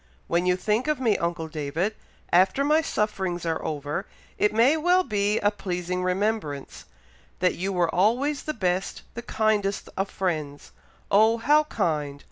When you think of me, uncle David, after my sufferings are over, it may well be a pleasing remembrance, that you were always the best, the kindest of friends. Oh! how kind!